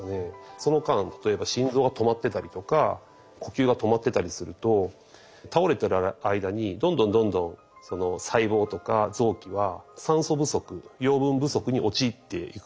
その間例えば心臓が止まってたりとか呼吸が止まってたりすると倒れている間にどんどんどんどんその細胞とか臓器は酸素不足養分不足に陥っていくわけですね。